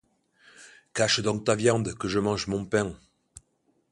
Cache donc ta viande, que je mange mon pain!